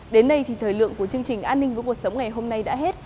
đến đây thì thời lượng của chương trình an ninh với cuộc sống ngày hôm nay đã hết